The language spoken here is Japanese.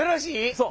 そう。